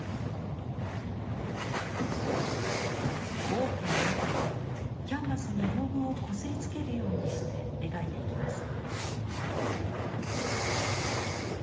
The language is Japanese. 大きな板でキャンバスに絵の具をこすりつけるようにして描いていきます。